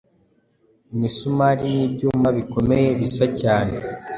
imisumari nibyuma bikomeye bisa cyane